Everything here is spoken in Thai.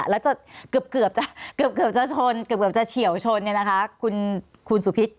แล้วเกือบจะเฉียวชนคุณสุพิษ